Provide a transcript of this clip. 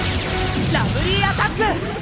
ラブリーアタック！